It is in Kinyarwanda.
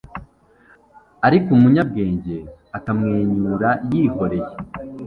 ariko umunyabwenge akamwenyura yihoreye